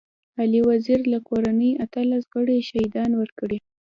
علي وزير له کورنۍ اتلس غړي شهيدان ورکړي.